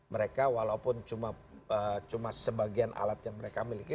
mereka walaupun cuma sebagian alat yang mereka miliki